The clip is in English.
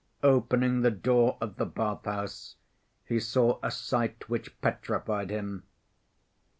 Opening the door of the bath‐house, he saw a sight which petrified him.